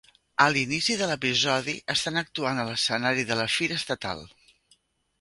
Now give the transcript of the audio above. A l"inici de l"episodi, estan actuant a l"escenari de la fira estatal.